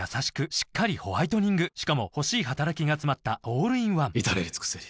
しっかりホワイトニングしかも欲しい働きがつまったオールインワン至れり尽せり